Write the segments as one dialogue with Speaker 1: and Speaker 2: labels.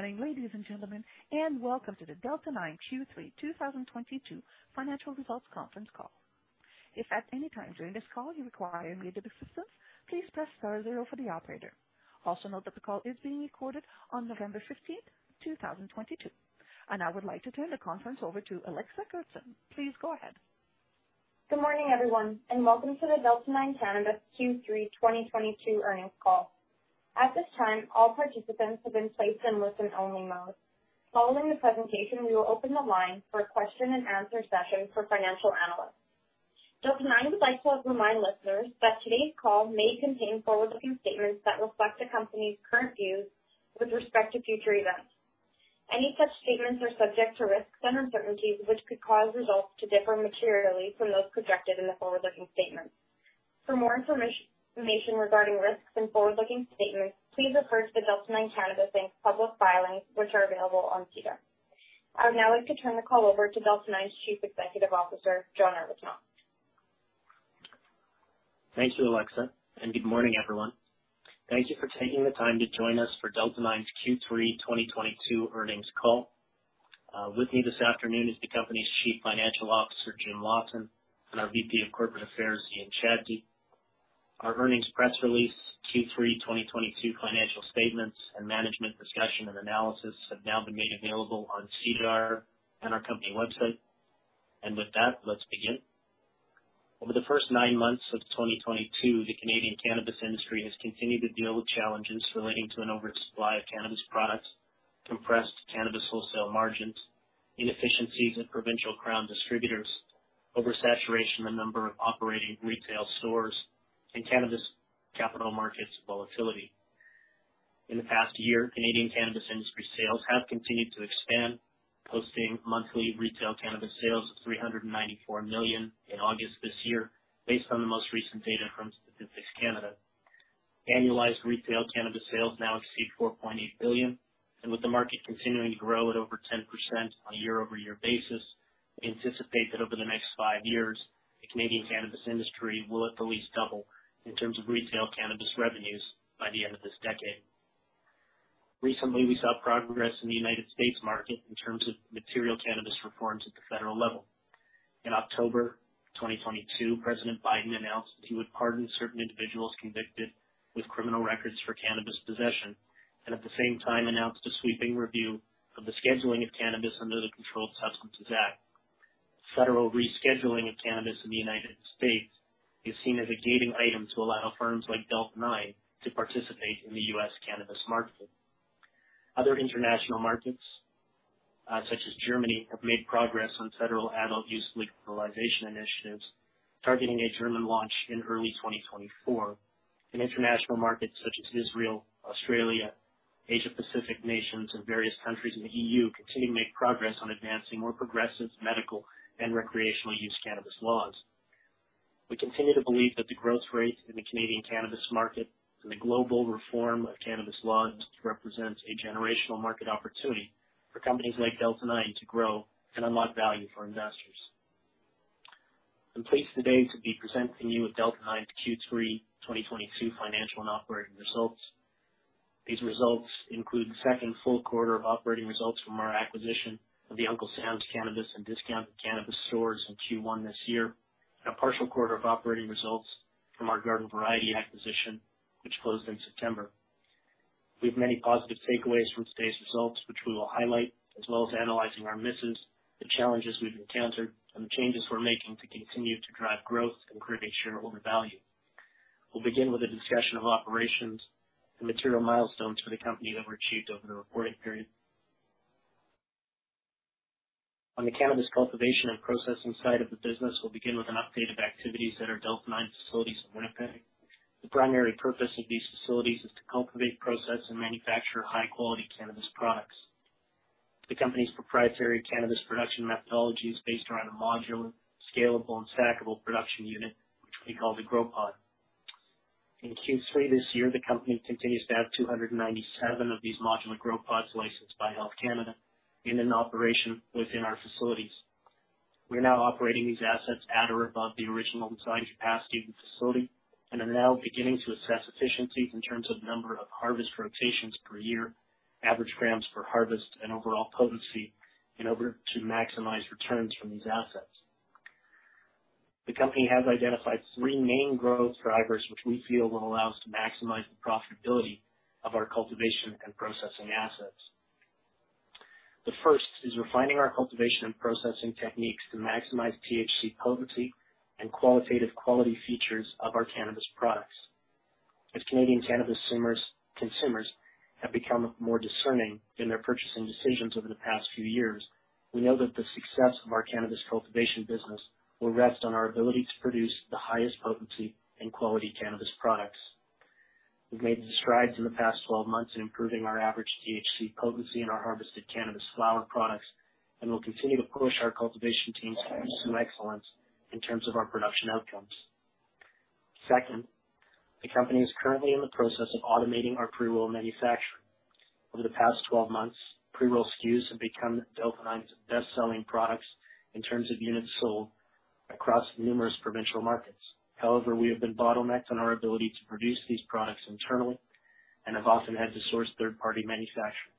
Speaker 1: Good morning, ladies and gentlemen, and welcome to the Delta 9 Q3 2022 Financial Results Conference Call. If at any time during this call you require immediate assistance, please press star zero for the operator. Also note that the call is being recorded on November 15th, 2022. I would like to turn the conference over to Alexa Goertzen. Please go ahead.
Speaker 2: Good morning, everyone, and welcome to the Delta 9 Cannabis Q3 2022 Earnings Call. At this time, all participants have been placed in listen-only mode. Following the presentation, we will open the line for a question-and-answer session for financial analysts. Delta 9 Cannabis would like to remind listeners that today's call may contain forward-looking statements that reflect the company's current views with respect to future events. Any such statements are subject to risks and uncertainties, which could cause results to differ materially from those projected in the forward-looking statements. For more information regarding risks and forward-looking statements, please refer to the Delta 9 Cannabis public filings, which are available on SEDAR. I would now like to turn the call over to Delta 9 Cannabis's Chief Executive Officer, John Arbuthnot.
Speaker 3: Thank you, Alexa, and good morning, everyone. Thank you for taking the time to join us for Delta 9's Q3 2022 Earnings Call. With me this afternoon is the company's Chief Financial Officer, Jim Watson, and our VP of Corporate Affairs, Ian Chadsey. Our earnings press release, Q3 2022 financial statements, and management discussion and analysis have now been made available on SEDAR and our company website. With that, let's begin. Over the first nine months of 2022, the Canadian cannabis industry has continued to deal with challenges relating to an oversupply of cannabis products, compressed cannabis wholesale margins, inefficiencies in provincial crown distributors, oversaturation in the number of operating retail stores, and cannabis capital markets volatility. In the past year, Canadian cannabis industry sales have continued to expand, posting monthly retail cannabis sales of 394 million in August this year, based on the most recent data from Statistics Canada. Annualized retail cannabis sales now exceed 4.8 billion, and with the market continuing to grow at over 10% on a year-over-year basis, we anticipate that over the next five years, the Canadian cannabis industry will at the least double in terms of retail cannabis revenues by the end of this decade. Recently, we saw progress in the United States market in terms of material cannabis reforms at the federal level. In October 2022, President Biden announced that he would pardon certain individuals convicted with criminal records for cannabis possession, and at the same time announced a sweeping review of the scheduling of cannabis under the Controlled Drugs and Substances Act. Federal rescheduling of cannabis in the United States is seen as a gating item to allow firms like Delta 9 to participate in the U.S. cannabis market. Other international markets, such as Germany, have made progress on federal adult use legalization initiatives, targeting a German launch in early 2024. In international markets such as Israel, Australia, Asia Pacific nations, and various countries in the E.U. continue to make progress on advancing more progressive medical and recreational use cannabis laws. We continue to believe that the growth rate in the Canadian cannabis market and the global reform of cannabis laws represents a generational market opportunity for companies like Delta 9 to grow and unlock value for investors. I'm pleased today to be presenting you with Delta 9's Q3 2022 financial and operating results. These results include the second full quarter of operating results from our acquisition of the Uncle Sam's Cannabis and Discount Cannabis stores in Q1 this year, and a partial quarter of operating results from our Garden Variety acquisition, which closed in September. We have many positive takeaways from today's results, which we will highlight, as well as analyzing our misses, the challenges we've encountered, and the changes we're making to continue to drive growth and create shareholder value. We'll begin with a discussion of operations and material milestones for the company that were achieved over the reporting period. On the cannabis cultivation and processing side of the business, we'll begin with an update of activities at our Delta 9 facilities in Winnipeg. The primary purpose of these facilities is to cultivate, process, and manufacture high-quality cannabis products. The company's proprietary cannabis production methodology is based around a modular, scalable, and stackable production unit, which we call the Grow Pod. In Q3 this year, the company continues to have 297 of these modular Grow Pods licensed by Health Canada and in operation within our facilities. We are now operating these assets at or above the original design capacity of the facility and are now beginning to assess efficiencies in terms of number of harvest rotations per year, average grams per harvest, and overall potency in order to maximize returns from these assets. The company has identified three main growth drivers which we feel will allow us to maximize the profitability of our cultivation and processing assets. The first is refining our cultivation and processing techniques to maximize THC potency and qualitative quality features of our cannabis products. As Canadian cannabis consumers have become more discerning in their purchasing decisions over the past few years, we know that the success of our cannabis cultivation business will rest on our ability to produce the highest potency and quality cannabis products. We've made strides in the past 12 months in improving our average THC potency in our harvested cannabis flower products, and we'll continue to push our cultivation teams to pursue excellence in terms of our production outcomes. Second, the company is currently in the process of automating our pre-roll manufacturing. Over the past 12 months, pre-roll SKUs have become Delta 9's best-selling products in terms of units sold across numerous provincial markets. However, we have been bottlenecked on our ability to produce these products internally and have often had to source third-party manufacturing.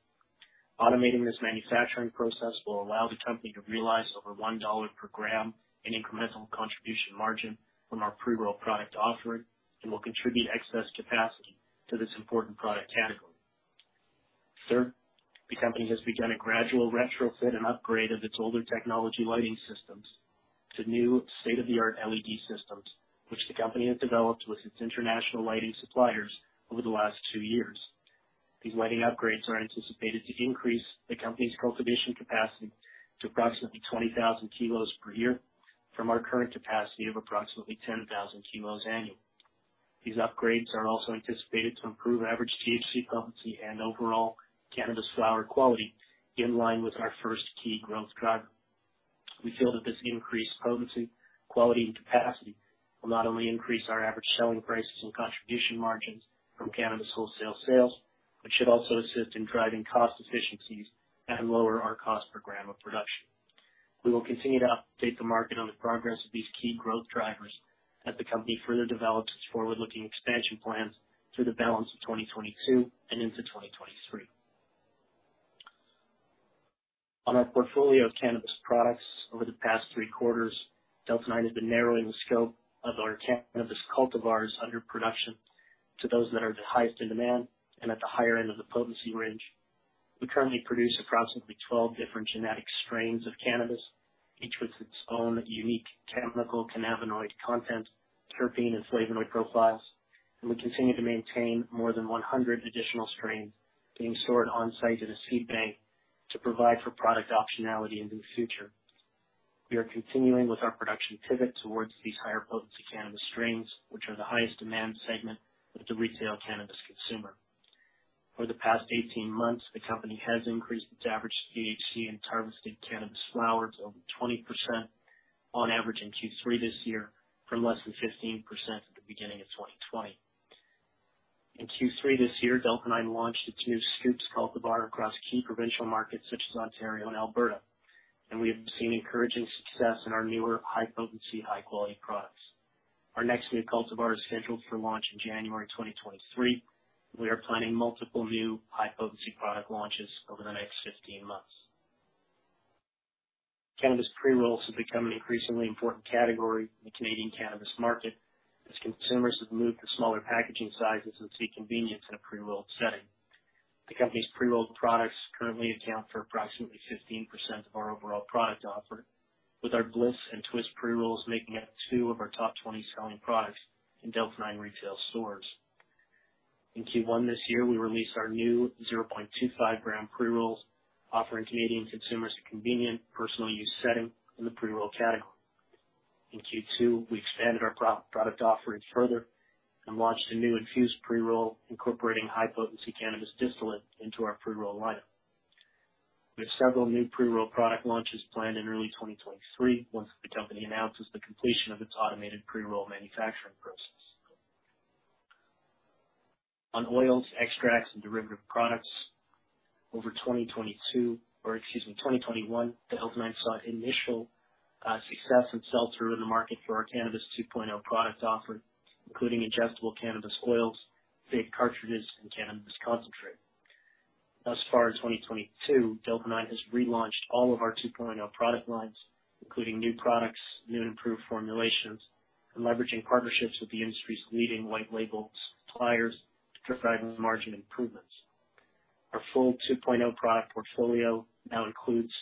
Speaker 3: Automating this manufacturing process will allow the company to realize over 1 dollar per gram in incremental contribution margin from our pre-roll product offering and will contribute excess capacity to this important product category. Third, the company has begun a gradual retrofit and upgrade of its older technology lighting systems to new state-of-the-art LED systems, which the company has developed with its international lighting suppliers over the last 2 years. These lighting upgrades are anticipated to increase the company's cultivation capacity to approximately 20,000 kilos per year from our current capacity of approximately 10,000 kilos annually. These upgrades are also anticipated to improve average THC potency and overall cannabis flower quality, in line with our first key growth driver. We feel that this increased potency, quality, and capacity will not only increase our average selling prices and contribution margins from cannabis wholesale sales, but should also assist in driving cost efficiencies and lower our cost per gram of production. We will continue to update the market on the progress of these key growth drivers as the company further develops its forward-looking expansion plans through the balance of 2022 and into 2023. On our portfolio of cannabis products over the past three quarters, Delta 9 has been narrowing the scope of our cannabis cultivars under production to those that are the highest in demand and at the higher end of the potency range. We currently produce approximately 12 different genetic strains of cannabis, each with its own unique chemical cannabinoid content, terpene, and flavonoid profiles, and we continue to maintain more than 100 additional strains being stored on-site in a seed bank to provide for product optionality in the future. We are continuing with our production pivot towards these higher-potency cannabis strains, which are the highest demand segment with the retail cannabis consumer. For the past 18 months, the company has increased its average THC and harvested cannabis flower to over 20% on average in Q3 this year, from less than 15% at the beginning of 2020. In Q3 this year, Delta 9 launched its new Scoops cultivar across key provincial markets such as Ontario and Alberta, and we have seen encouraging success in our newer high-potency, high-quality products. Our next new cultivar is scheduled for launch in January 2023. We are planning multiple new high-potency product launches over the next 15 months. Cannabis pre-rolls have become an increasingly important category in the Canadian cannabis market as consumers have moved to smaller packaging sizes and seek convenience in a pre-rolled setting. The company's pre-rolled products currently account for approximately 15% of our overall product offering, with our Bliss and Twist pre-rolls making up two of our top 20 selling products in Delta 9 retail stores. In Q1 this year, we released our new 0.25-gram pre-rolls, offering Canadian consumers a convenient personal use setting in the pre-roll category. In Q2, we expanded our product offerings further and launched a new infused pre-roll incorporating high-potency cannabis distillate into our pre-roll lineup. We have several new pre-roll product launches planned in early 2023 once the company announces the completion of its automated pre-roll manufacturing process. On oils, extracts, and derivative products over 2022, 2021. Delta 9 saw initial success and sell-through in the market for our Cannabis 2.0 products offering, including ingestible cannabis oils, vape cartridges, and cannabis concentrate. Thus far in 2022, Delta 9 has relaunched all of our 2.0 product lines, including new products, new and improved formulations, and leveraging partnerships with the industry's leading white label suppliers to drive margin improvements. Our full 2.0 product portfolio now includes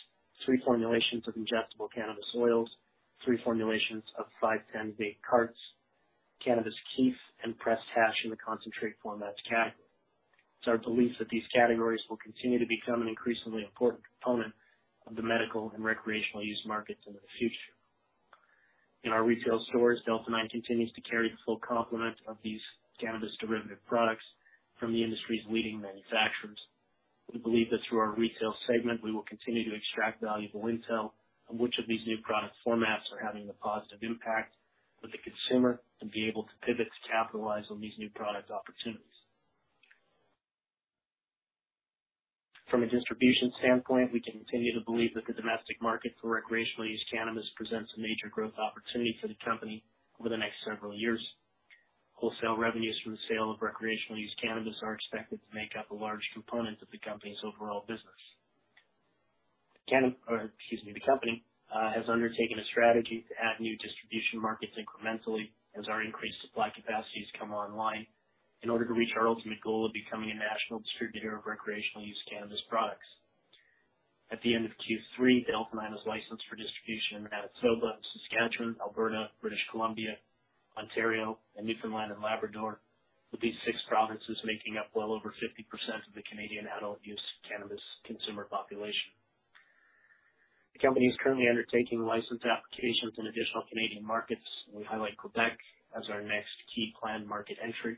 Speaker 3: three formulations of ingestible cannabis oils, three formulations of 510 vape carts, cannabis kief, and pressed hash in the concentrate formats category. It's our belief that these categories will continue to become an increasingly important component of the medical and recreational use markets into the future. In our retail stores, Delta 9 continues to carry the full complement of these cannabis derivative products from the industry's leading manufacturers. We believe that through our retail segment, we will continue to extract valuable intel on which of these new product formats are having a positive impact with the consumer and be able to pivot to capitalize on these new product opportunities. From a distribution standpoint, we continue to believe that the domestic market for recreational-use cannabis presents a major growth opportunity for the company over the next several years. Wholesale revenues from the sale of recreational use cannabis are expected to make up a large component of the company's overall business. The company has undertaken a strategy to add new distribution markets incrementally as our increased supply capacities come online in order to reach our ultimate goal of becoming a national distributor of recreational use cannabis products. At the end of Q3, Delta 9 is licensed for distribution in Manitoba, Saskatchewan, Alberta, British Columbia, Ontario, and Newfoundland and Labrador, with these six provinces making up well over 50% of the Canadian adult use cannabis consumer population. The company is currently undertaking license applications in additional Canadian markets. We highlight Québec as our next key planned market entry,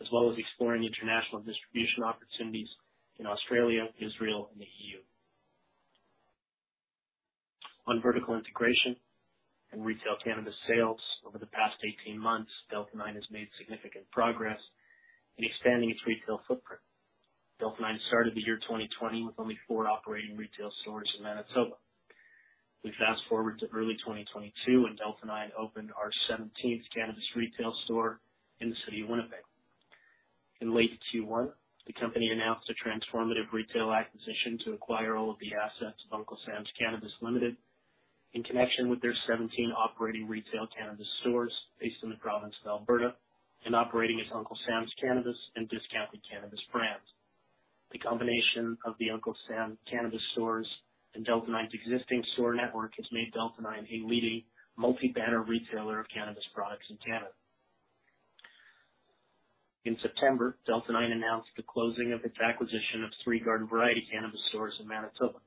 Speaker 3: as well as exploring international distribution opportunities in Australia, Israel, and the E.U. On vertical integration and retail cannabis sales over the past 18 months, Delta 9 has made significant progress in expanding its retail footprint. Delta 9 started the year 2020 with only four operating retail stores in Manitoba. We fast-forward to early 2022 when Delta 9 opened our 17th cannabis retail store in the city of Winnipeg. In late Q1, the company announced a transformative retail acquisition to acquire all of the assets of Uncle Sam's Cannabis Ltd in connection with their 17 operating retail cannabis stores based in the province of Alberta and operating as Uncle Sam's Cannabis and Discounted Cannabis brands. The combination of the Uncle Sam's cannabis stores and Delta 9's existing store network has made Delta 9 a leading multi-banner retailer of cannabis products in Canada. In September, Delta 9 announced the closing of its acquisition of three Garden Variety cannabis stores in Manitoba.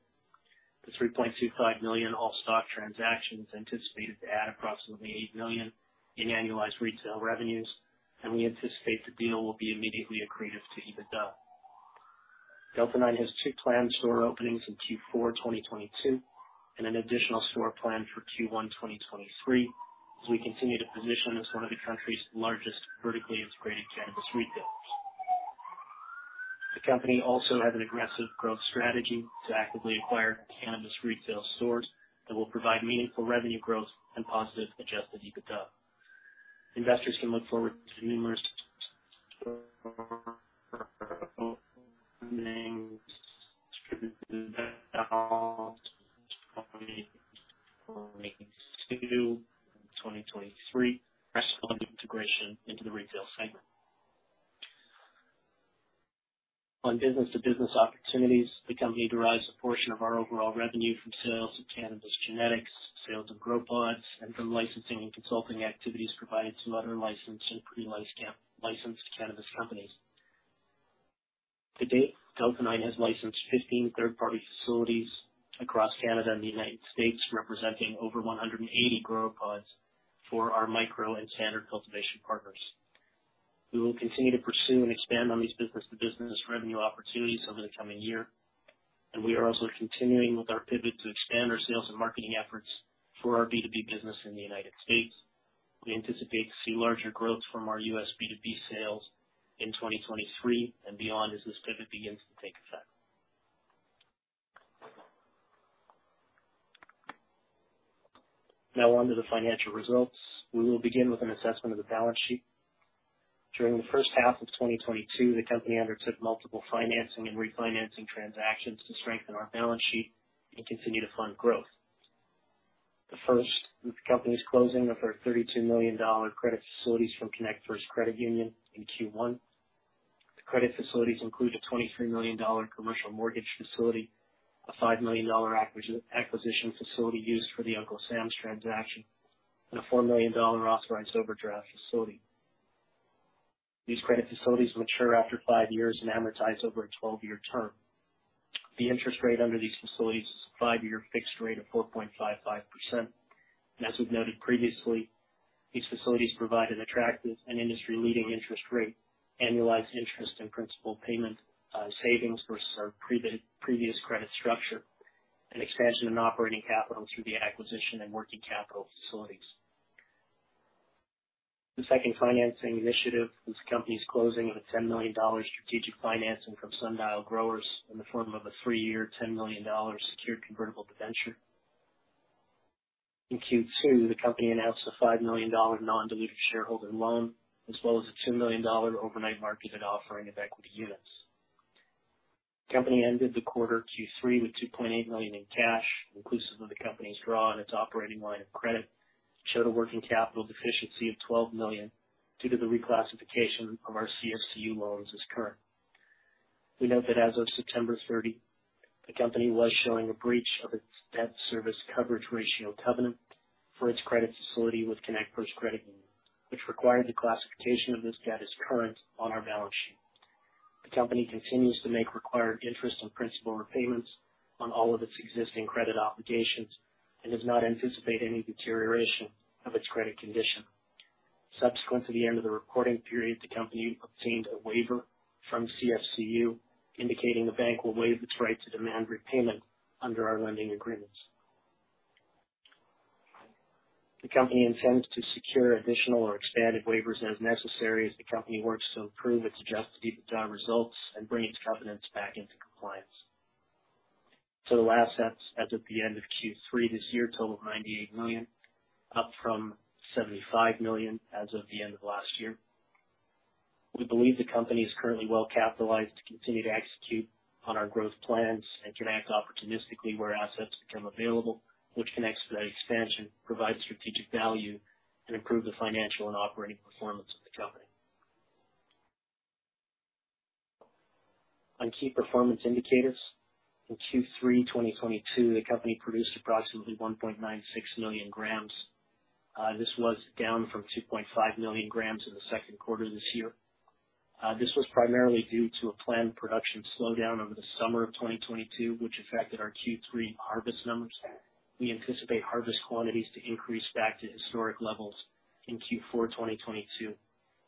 Speaker 3: The 3.25 million all-stock transaction is anticipated to add approximately 8 million in annualized retail revenues, and we anticipate the deal will be immediately accretive to EBITDA. Delta 9 has two planned store openings in Q4 2022 and an additional store planned for Q1 2023 as we continue to position as one of the country's largest vertically integrated cannabis retailers. The company also has an aggressive growth strategy to actively acquire cannabis retail stores that will provide meaningful revenue growth and positive adjusted EBITDA. Investors can look forward to numerous, 2023 integration into the retail segment. On business-to-business opportunities, the company derives a portion of our overall revenue from sales of cannabis genetics, sales of grow pods, and from licensing and consulting activities provided to other licensed and pre-licensed cannabis companies. To date, Delta 9 has licensed 15 third-party facilities across Canada and the United States, representing over 180 Grow Pods for our micro and standard cultivation partners. We will continue to pursue and expand on these business-to-business revenue opportunities over the coming year, and we are also continuing with our pivot to extend our sales and marketing efforts for our B2B business in the United States. We anticipate to see larger growth from our U.S. B2B sales in 2023 and beyond as this pivot begins to take effect. Now on to the financial results. We will begin with an assessment of the balance sheet. During the first half of 2022, the company undertook multiple financing and refinancing transactions to strengthen our balance sheet and continue to fund growth. The first, the company's closing of our 32 million dollar credit facilities from connectFirst Credit Union in Q1. The credit facilities include a 23 million dollar commercial mortgage facility, a 5 million dollar acquisition facility used for the Uncle Sam's transaction, and a 4 million dollar revolving overdraft facility. These credit facilities mature after five years and amortize over a 12-year term. The interest rate under these facilities is a five-year fixed rate of 4.55%. As we've noted previously, these facilities provide an attractive and industry-leading interest rate, annualized interest, and principal payment savings versus our previous credit structure and expansion in operating capital through the acquisition and working capital facilities. The second financing initiative was the company's closing of a CAD 10 million strategic financing from Sundial Growers in the form of a three-year, CAD 10 million secured convertible debenture. In Q2, the company announced a 5 million dollar non-dilutive shareholder loan, as well as a 2 million dollar overnight marketed offering of equity units. The Company ended the quarter Q3 with 2.8 million in cash, inclusive of the Company's draw on its operating line of credit, showed a working capital deficiency of 12 million due to the reclassification of our CFCU loans as current. We note that as of September 30, the company was showing a breach of its debt service coverage ratio covenant for its credit facility with connectFirst Credit Union, which required the classification of this debt as current on our balance sheet. The company continues to make required interest and principal repayments on all of its existing credit obligations and does not anticipate any deterioration of its credit condition. Subsequent to the end of the reporting period, the company obtained a waiver from CFCU, indicating the bank will waive its right to demand repayment under our lending agreements. The company intends to secure additional or expanded waivers as necessary as the company works to improve its adjusted EBITDA results and bring its covenants back into compliance. Total assets as of the end of Q3 this year total 98 million, up from 75 million as of the end of last year. We believe the company is currently well-capitalized to continue to execute on our growth plans and can act opportunistically where assets become available, which can accelerate expansion, provide strategic value, and improve the financial and operating performance of the company. On key performance indicators, in Q3 2022, the company produced approximately 1.96 million g. This was down from 2.5 million g in the second quarter this year. This was primarily due to a planned production slowdown over the summer of 2022, which affected our Q3 harvest numbers. We anticipate harvest quantities to increase back to historic levels in Q4 2022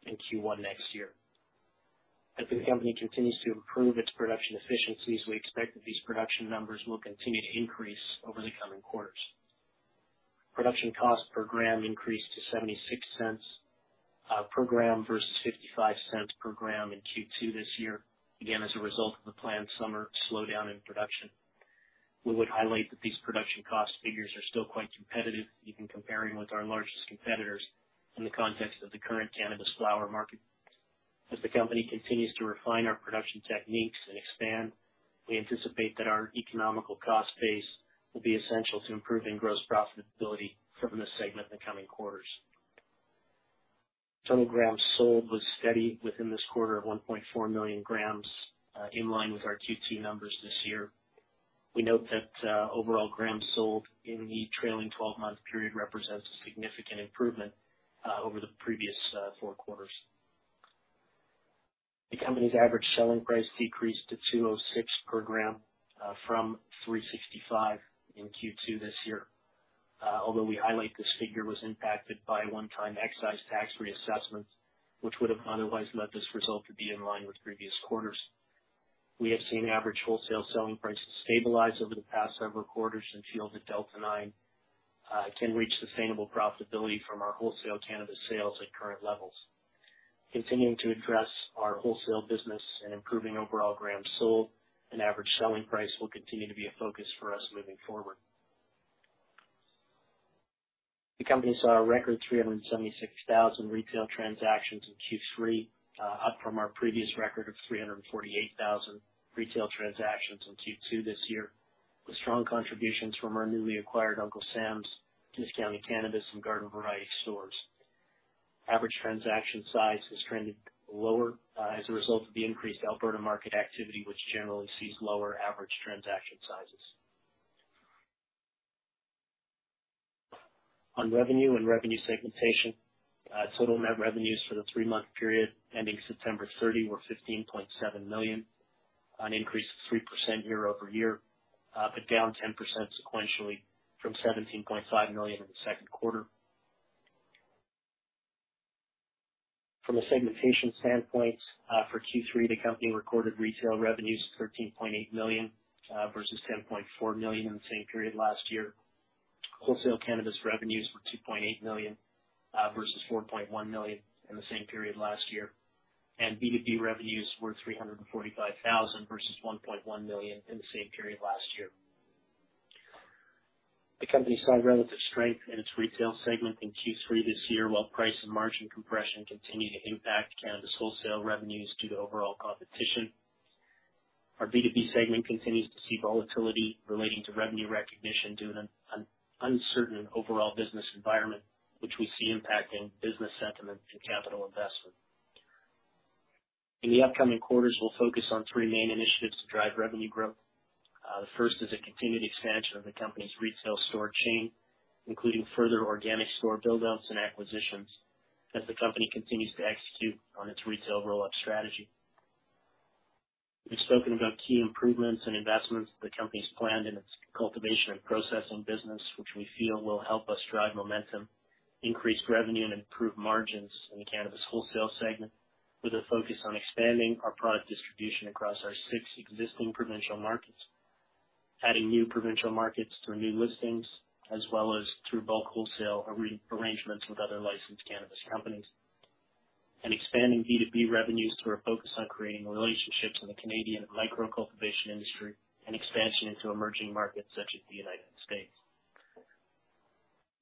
Speaker 3: and Q1 next year. As the company continues to improve its production efficiencies, we expect that these production numbers will continue to increase over the coming quarters. Production cost per gram increased to 0.76 per g versus 0.55 per g in Q2 this year, again, as a result of the planned summer slowdown in production. We would highlight that these production cost figures are still quite competitive, even comparing with our largest competitors in the context of the current cannabis flower market. As the company continues to refine our production techniques and expand, we anticipate that our economic cost base will be essential to improving gross profitability from this segment in the coming quarters. Total grams sold was steady within this quarter of 1.4 million g, in line with our Q2 numbers this year. We note that overall grams sold in the trailing 12-month period represents a significant improvement over the previous four quarters. The company's average selling price decreased to 206 per g from 365 in Q2 this year. Although we highlight this figure was impacted by one-time excise tax reassessment, which would have otherwise led this result to be in line with previous quarters. We have seen average wholesale selling prices stabilize over the past several quarters and feel that Delta 9 can reach sustainable profitability from our wholesale cannabis sales at current levels. Continuing to address our wholesale business and improving overall grams sold and average selling price will continue to be a focus for us moving forward. The company saw a record 376,000 retail transactions in Q3, up from our previous record of 348,000 retail transactions in Q2 this year, with strong contributions from our newly acquired Uncle Sam's, Discounted Cannabis, and Garden Variety stores. Average transaction size has trended lower, as a result of the increased Alberta market activity, which generally sees lower average transaction sizes. On revenue and revenue segmentation, total net revenues for the three-month period ending September 30 were 15.7 million, an increase of 3% year-over-year, but down 10% sequentially from 17.5 million in the second quarter. From a segmentation standpoint, for Q3, the company recorded retail revenues of 13.8 million versus 10.4 million in the same period last year. Wholesale cannabis revenues were 2.8 million versus 4.1 million in the same period last year. B2B revenues were 345,000 versus 1.1 million in the same period last year. The company saw relative strength in its retail segment in Q3 this year, while price and margin compression continue to impact cannabis wholesale revenues due to overall competition. Our B2B segment continues to see volatility relating to revenue recognition due to an uncertain overall business environment, which we see impacting business sentiment and capital investment. In the upcoming quarters, we'll focus on three main initiatives to drive revenue growth. The first is a continued expansion of the company's retail store chain, including further organic store build-outs and acquisitions as the company continues to execute on its retail roll-up strategy. We've spoken about key improvements and investments the company's planned in its cultivation and processing business, which we feel will help us drive momentum, increase revenue, and improve margins in the cannabis wholesale segment, with a focus on expanding our product distribution across our six existing provincial markets, adding new provincial markets through new listings, as well as through bulk wholesale arrangements with other licensed cannabis companies. Expanding B2B revenues through a focus on creating relationships in the Canadian micro-cultivation industry and expansion into emerging markets such as the United States.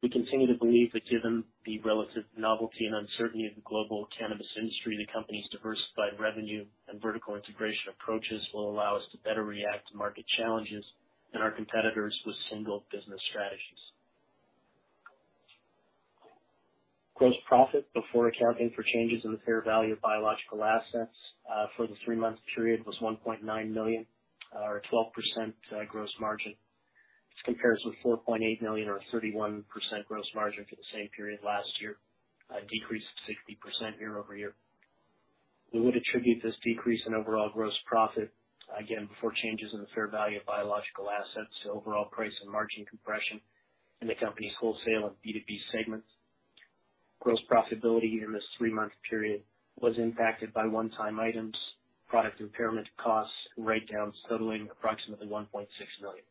Speaker 3: We continue to believe that given the relative novelty and uncertainty of the global cannabis industry, the company's diversified revenue and vertical integration approaches will allow us to better react to market challenges than our competitors with single business strategies. Gross profit before accounting for changes in the fair value of biological assets for the three-month period was 1.9 million, or a 12% gross margin. This compares with 4.8 million or a 31% gross margin for the same period last year. A decrease of 60% year-over-year. We would attribute this decrease in overall gross profit, again, before changes in the fair value of biological assets, to overall price and margin compression in the company's wholesale and B2B segments. Gross profitability in this three-month period was impacted by one-time items, product impairment costs, and write-downs totaling approximately 1.6 million.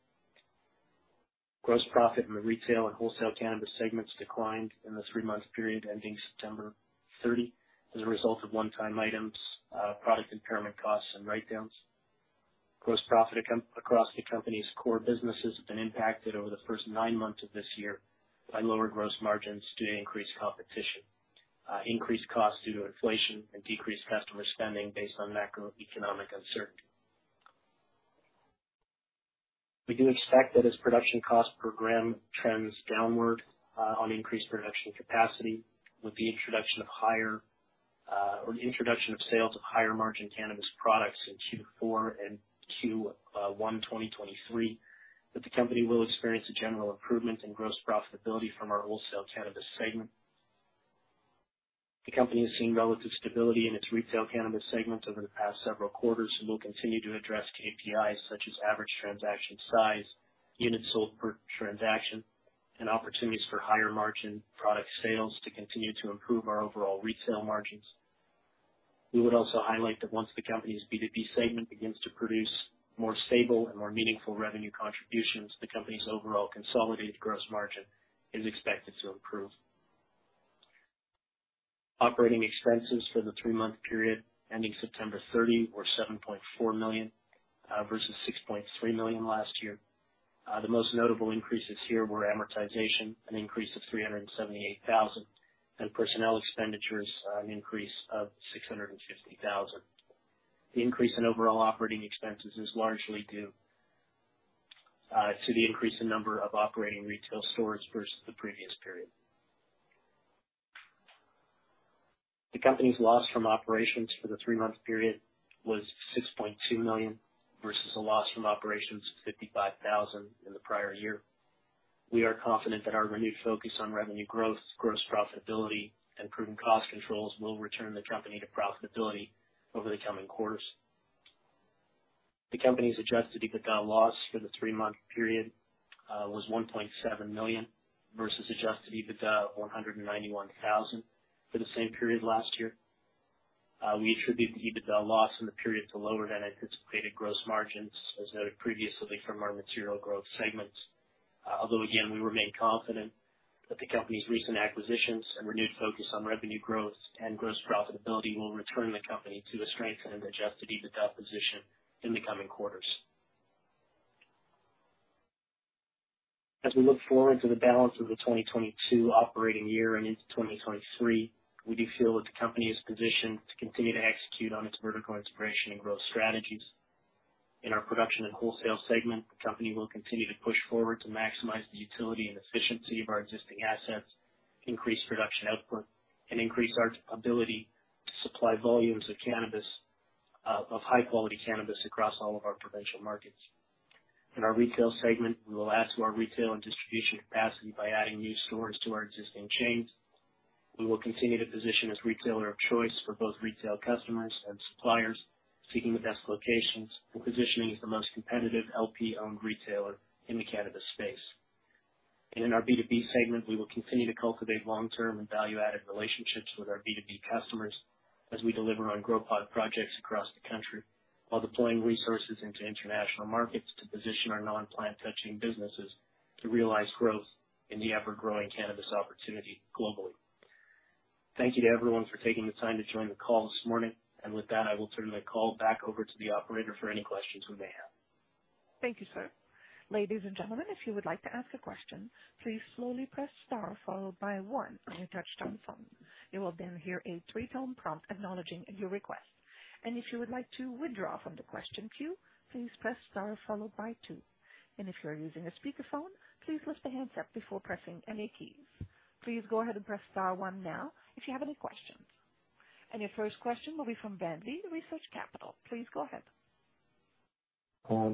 Speaker 3: Gross profit in the retail and wholesale cannabis segments declined in the three-month period ending September 30 as a result of one-time items, product impairment costs, and write-downs. Gross profit across the company's core businesses has been impacted over the first nine months of this year by lower gross margins due to increased competition, increased costs due to inflation, and decreased customer spending based on macroeconomic uncertainty. We do expect that as production cost per gram trends downward on increased production capacity with the introduction of sales of higher-margin cannabis products in Q4 and Q1 2023, that the company will experience a general improvement in gross profitability from our wholesale cannabis segment. The company has seen relative stability in its retail cannabis segment over the past several quarters and will continue to address KPIs such as average transaction size, units sold per transaction, and opportunities for higher-margin product sales to continue to improve our overall retail margins. We would also highlight that once the company's B2B segment begins to produce more stable and more meaningful revenue contributions, the company's overall consolidated gross margin is expected to improve. Operating expenses for the three-month period ending September 30 were 7.4 million versus 6.3 million last year. The most notable increases here were amortization, an increase of 378,000, and personnel expenditures, an increase of 650,000. The increase in overall operating expenses is largely due to the increase in number of operating retail stores versus the previous period. The company's loss from operations for the three-month period was 6.2 million, versus a loss from operations of 55,000 in the prior year. We are confident that our renewed focus on revenue growth, gross profitability, and prudent cost controls will return the company to profitability over the coming quarters. The company's adjusted EBITDA loss for the three-month period was 1.7 million versus adjusted EBITDA of 191,000 for the same period last year. We attribute the EBITDA loss in the period to lower than anticipated gross margins, as noted previously from our material growth segments. Although, again, we remain confident that the company's recent acquisitions and renewed focus on revenue growth and gross profitability will return the company to a strengthened and adjusted EBITDA position in the coming quarters. As we look forward to the balance of the 2022 operating year and into 2023, we do feel that the company is positioned to continue to execute on its vertical integration and growth strategies. In our production and wholesale segment, the company will continue to push forward to maximize the utility and efficiency of our existing assets, increase production output, and increase our ability to supply volumes of cannabis of high quality cannabis across all of our provincial markets. In our retail segment, we will add to our retail and distribution capacity by adding new stores to our existing chains. We will continue to position as retailer of choice for both retail customers and suppliers seeking the best locations. We're positioning as the most competitive LP-owned retailer in the cannabis space. In our B2B segment, we will continue to cultivate long-term and value-added relationships with our B2B customers as we deliver on Grow Pod projects across the country, while deploying resources into international markets to position our non-plant touching businesses to realize growth in the ever-growing cannabis opportunity globally. Thank you to everyone for taking the time to join the call this morning. With that, I will turn the call back over to the operator for any questions we may have.
Speaker 1: Thank you, sir. Ladies and gentlemen, if you would like to ask a question, please slowly press star followed by one on your touch-tone phone. You will then hear a three-tone prompt acknowledging your request. If you would like to withdraw from the question queue, please press star followed by two. If you are using a speakerphone, please lift the handset before pressing any keys. Please go ahead and press star one now if you have any questions. Your first question will be from Research Capital. Please go ahead.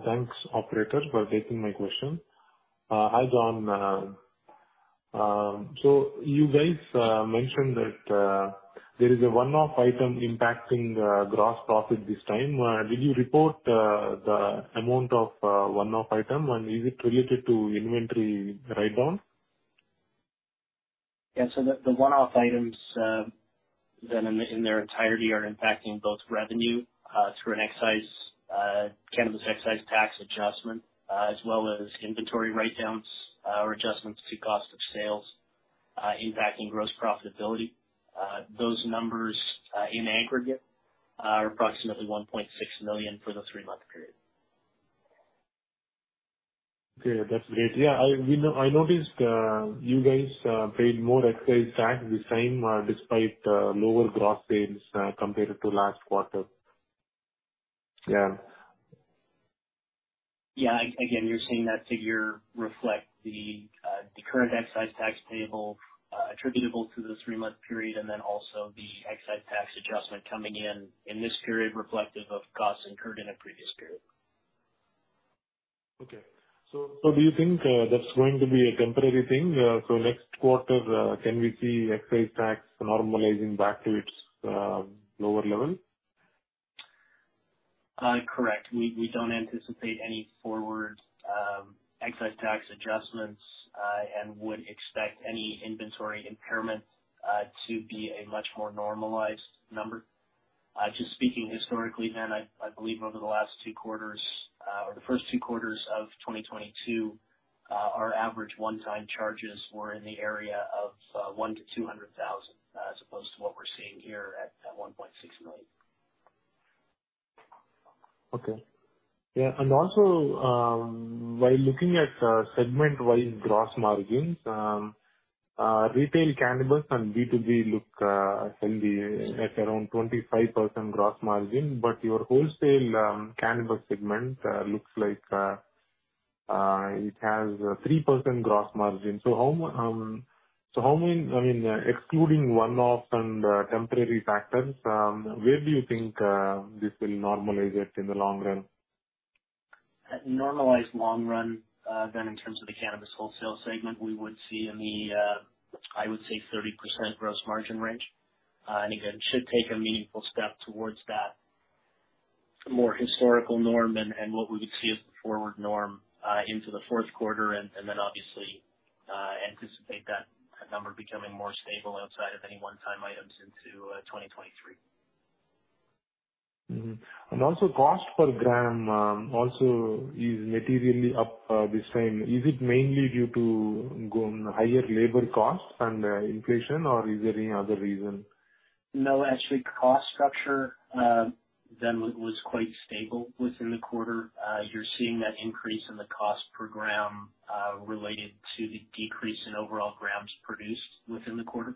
Speaker 4: Thanks, operator, for taking my question. Hi, John. You guys mentioned that there is a one-off item impacting gross profit this time. Did you report the amount of one-off item, and is it related to inventory write-down?
Speaker 3: The one-off items then in their entirety are impacting both revenue through a cannabis excise tax adjustment as well as inventory write-downs or adjustments to cost of sales impacting gross profitability. Those numbers in aggregate are approximately 1.6 million for the three-month period.
Speaker 4: Okay. That's great. Yeah, I noticed you guys paid more excise tax the same despite lower gross sales compared to last quarter. Yeah.
Speaker 3: Yeah. Again, you're seeing that figure reflect the current excise tax payable, attributable to the three-month period, and then also the excise tax adjustment coming in this period, reflective of costs incurred in a previous period.
Speaker 4: Do you think that's going to be a temporary thing? Next quarter, can we see excise tax normalizing back to its lower level?
Speaker 3: Correct. We don't anticipate any forward excise tax adjustments and would expect any inventory impairment to be a much more normalized number. Just speaking historically, Ben, I believe over the last two quarters or the first two quarters of 2022 our average one-time charges were in the area of 100,000-200,000 as opposed to what we're seeing here at 1.6 million.
Speaker 4: Okay. Yeah. Also, while looking at segment-wide gross margins, retail cannabis and B2B look healthy at around 25% gross margin. Your wholesale cannabis segment looks like it has 3% gross margin. I mean, excluding one-off and temporary factors, where do you think this will normalize it in the long run?
Speaker 3: In the normalized long run, Ben, in terms of the cannabis wholesale segment, we would see in the, I would say 30% gross margin range. Again, should take a meaningful step towards that, a more historical norm than what we would see as the forward norm, into the fourth quarter. Then obviously, anticipate that number becoming more stable outside of any one-time items into 2023.
Speaker 4: Cost per gram also is materially up this time. Is it mainly due to higher labor costs and inflation or is there any other reason?
Speaker 3: No, actually, cost structure then was quite stable within the quarter. You're seeing that increase in the cost per gram related to the decrease in overall grams produced within the quarter.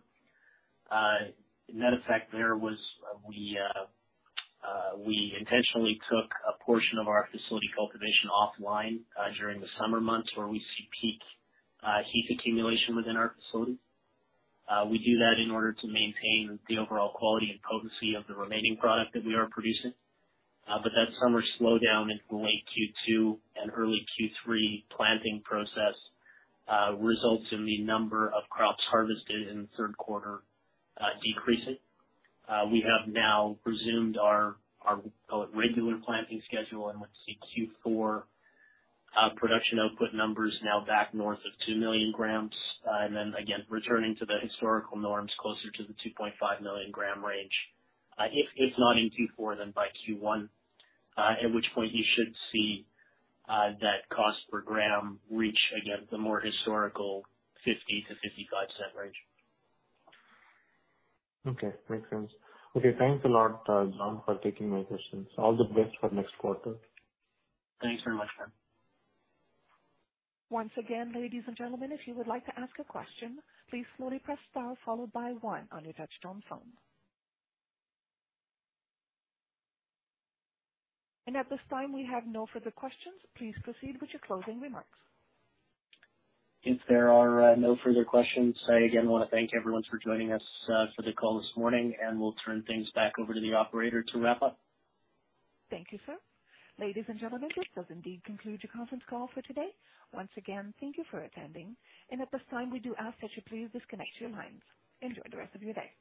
Speaker 3: Net effect there was we intentionally took a portion of our facility cultivation offline during the summer months where we see peak heat accumulation within our facility. We do that in order to maintain the overall quality and potency of the remaining product that we are producing. That summer slowdown in late Q2 and early Q3 planting process results in the number of crops harvested in the third quarter decreasing. We have now resumed our call it regular planting schedule and would see Q4 production output numbers now back north of 2 million g. Again, returning to the historical norms closer to the 2.5 million g range. If not in Q4, then by Q1, at which point you should see that cost per gram reach again, the more historical 0.50-0.55 range.
Speaker 4: Okay, makes sense. Okay, thanks a lot, John, for taking my questions. All the best for next quarter.
Speaker 3: Thanks very much, sir.
Speaker 1: Once again, ladies and gentlemen, if you would like to ask a question, please slowly press star followed by one on your touchtone phone. At this time, we have no further questions. Please proceed with your closing remarks.
Speaker 3: If there are no further questions, I again want to thank everyone for joining us for the call this morning, and we'll turn things back over to the operator to wrap up.
Speaker 1: Thank you, sir. Ladies and gentlemen, this does indeed conclude your conference call for today. Once again, thank you for attending. At this time, we do ask that you please disconnect your lines. Enjoy the rest of your day.